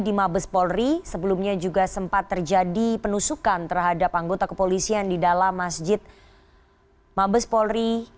di mabes polri sebelumnya juga sempat terjadi penusukan terhadap anggota kepolisian di dalam masjid mabes polri